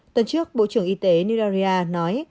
tuần trước bộ trưởng y tế nigeria nói